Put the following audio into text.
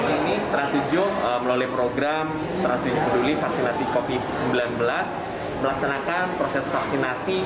ini trans tujuh melalui program trans tujuh peduli vaksinasi covid sembilan belas melaksanakan proses vaksinasi